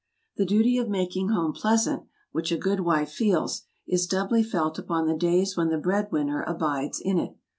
The duty of making home pleasant, which a good wife feels, is doubly felt upon the days when the bread winner abides in it.